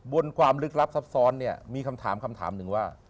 บนความลึกลับซับซ้อนเนี่ยมีคำถามคำถามหนึ่งว่า